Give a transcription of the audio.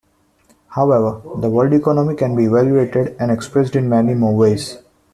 However, the world economy can be evaluated and expressed in many more ways.